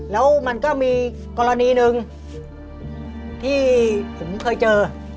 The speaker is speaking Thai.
แล้วมันก็มีกรณีหนึ่งที่ผมเคยเจอ